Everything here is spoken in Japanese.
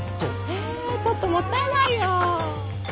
えちょっともったいないよ！